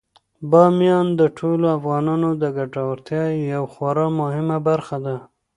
بامیان د ټولو افغانانو د ګټورتیا یوه خورا مهمه برخه ده.